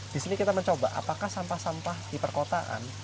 disini kita mencoba apakah sampah sampah di perkotaan